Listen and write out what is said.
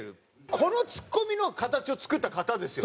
このツッコミの形を作った方ですよね。